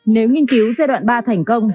nếu nghiên cứu giai đoạn ba thành công